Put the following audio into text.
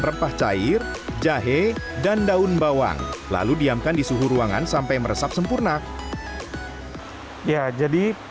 rempah cair jahe dan daun bawang lalu diamkan di suhu ruangan sampai meresap sempurna ya jadi